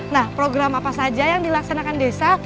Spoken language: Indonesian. nah program apa saja yang dilaksanakan desa